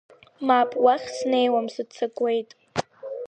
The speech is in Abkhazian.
Мап, уахь снеиуам, сыццакуеит.